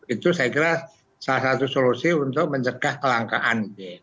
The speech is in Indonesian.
itu saya kira salah satu solusi untuk mencegah kelangkaan